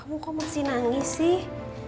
kamu kok masih nangis sih